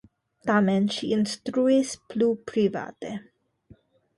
Tamen ŝi instruis plu private.